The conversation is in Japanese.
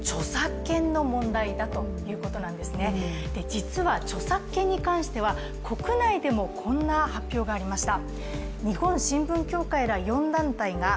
実は著作権に関しては国内でもこんな発表がありました。